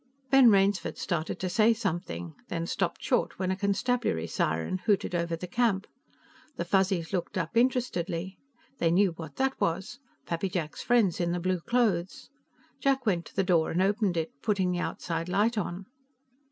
Ben Rainsford started to say something, then stopped short when a constabulary siren hooted over the camp. The Fuzzies looked up interestedly. They knew what that was. Pappy Jack's friends in the blue clothes. Jack went to the door and opened it, putting the outside light on.